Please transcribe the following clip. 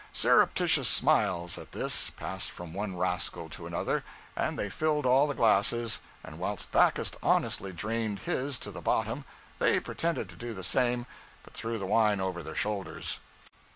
Surreptitious smiles, at this, passed from one rascal to another, and they filled all the glasses, and whilst Backus honestly drained his to the bottom they pretended to do the same, but threw the wine over their shoulders.